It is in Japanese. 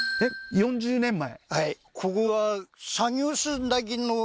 ４０年前？